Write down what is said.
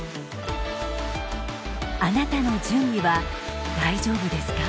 あなたの準備は大丈夫ですか？